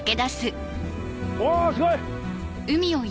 おすごい！